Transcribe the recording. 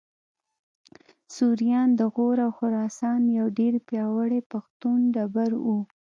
سوریان د غور او خراسان یو ډېر پیاوړی پښتون ټبر و